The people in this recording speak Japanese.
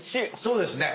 そうですね。